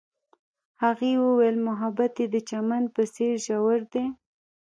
هغې وویل محبت یې د چمن په څېر ژور دی.